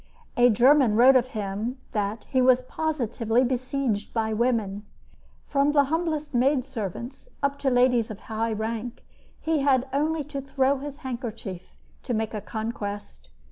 A German wrote of him that "he was positively besieged by women." From the humblest maid servants up to ladies of high rank, he had only to throw his handkerchief to make a conquest.